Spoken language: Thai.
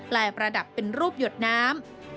ประดับเป็นรูปหยดน้ำ